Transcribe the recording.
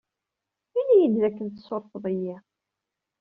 Inni-yi-d d akken tsurfeḍ-iyi.